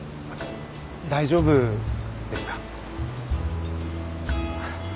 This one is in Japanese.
大丈夫ですか？